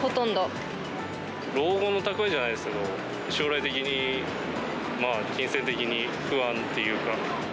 老後の蓄えじゃないですけど、将来的に金銭的に不安っていうか。